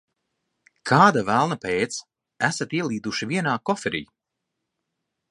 Kāda velna pēc esat ielīduši vienā koferī?